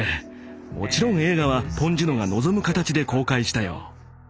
もちろん映画はポン・ジュノが望む形で公開したよ。